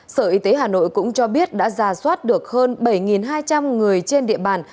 sở y tế hà nội cũng cho biết đã ra soát được hơn bảy hai trăm linh người trên địa bàn